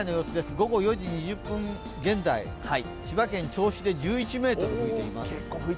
午後４時２０分現在千葉県銚子で１１メートル吹いています。